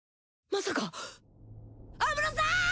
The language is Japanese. まさか安室さん！